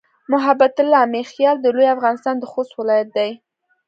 محبت الله "میاخېل" د لوی افغانستان د خوست ولایت دی.